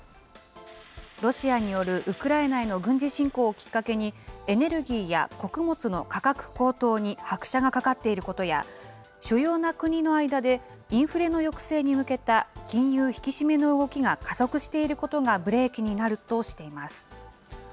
ロシアによるウクライナへの軍事侵攻をきっかけに、エネルギーや穀物の価格高騰に拍車がかかっていることや、主要な国の間で、インフレの抑制に向けた金融引き締めの動きが加速していることがブレーキになるとしています。